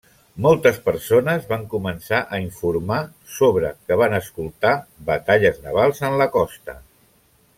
Moltes persones van començar a informar sobre que van escoltar batalles navals en la costa.